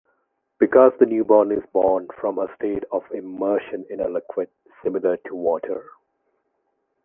Because the newborn is born from a state of immersion in a liquid similar to water.